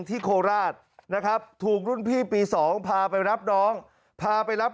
โคราชนะครับถูกรุ่นพี่ปี๒พาไปรับน้องพาไปรับ